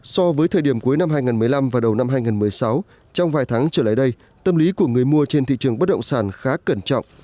so với thời điểm cuối năm hai nghìn một mươi năm và đầu năm hai nghìn một mươi sáu trong vài tháng trở lại đây tâm lý của người mua trên thị trường bất động sản khá cẩn trọng